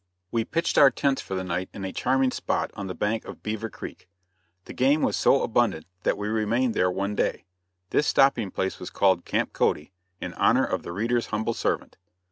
We pitched our tents for the night in a charming spot on the bank of Beaver Creek. The game was so abundant that we remained there one day. This stopping place was called. Camp Cody, in honor of the reader's humble servant.